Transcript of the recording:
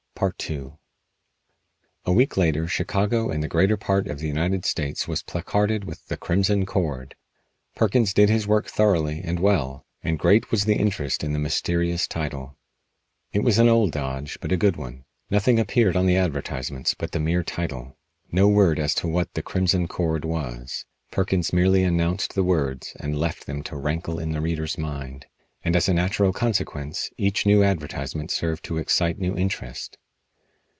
II A week later Chicago and the greater part of the United States was placarded with "The Crimson Cord." Perkins did his work thoroughly and well, and great was the interest in the mysterious title. It was an old dodge, but a good one. Nothing appeared on the advertisements but the mere title. No word as to what "The Crimson Cord" was. Perkins merely announced the words and left them to rankle in the reader's mind, and as a natural consequence each new advertisement served to excite new interest.